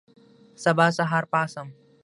سبا سهار پاڅم